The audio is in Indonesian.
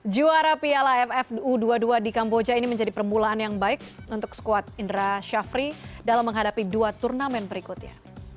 juara piala aff u dua puluh dua di kamboja ini menjadi permulaan yang baik untuk squad indra syafri dalam menghadapi dua turnamen berikutnya